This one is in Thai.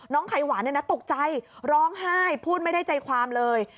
น้องไข่หวานตกใจร้องไห้พูดไม่ได้ใจความเลย